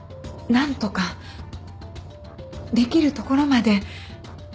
何とかできるところまで。